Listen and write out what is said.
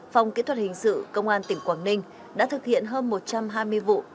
phòng kỹ thuật hình sự công an tỉnh quảng ninh đã thực hiện hơn một trăm hai mươi vụ